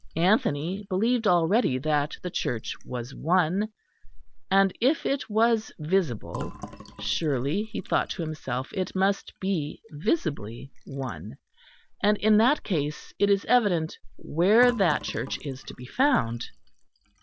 Anthony believed already that the Church was one; and if it was visible, surely, he thought to himself, it must be visibly one; and in that case, it is evident where that Church is to be found.